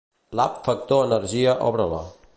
L'app Factor Energia obre-la.